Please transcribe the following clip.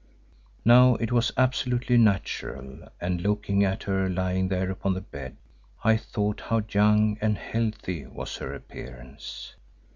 Now it was absolutely natural and looking at her lying there upon the bed, I thought how young and healthy was her appearance.